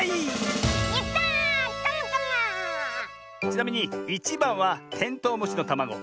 ちなみに１ばんはテントウムシのたまご。